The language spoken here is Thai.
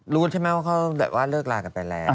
รู้ใช่ไหมว่าเขาแบบว่าเลิกลากันไปแล้ว